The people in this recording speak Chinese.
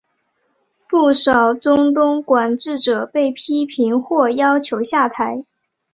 不少中东管治者被批评或要求下台。